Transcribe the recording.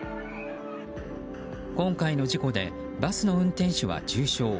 今回の事故でバスの運転手は重傷。